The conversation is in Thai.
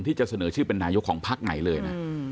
ที่จะเสนอชื่อเป็นนายกของพักไหนเลยนะ